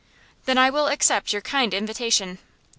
"Then I will accept your kind invitation."